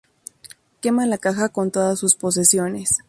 Quema la caja con todas sus posesiones.